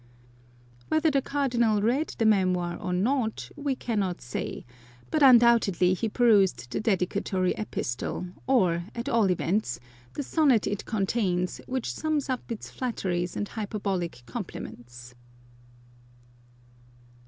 Whether the Cardinal read the memoir or not, we cannot say, but undoubtedly he perused the dedicatory epistle, or, at all events, the sonnet it 159 Curiosities of Olden Times contains, which sums up its flatteries and hyperbolic compliments.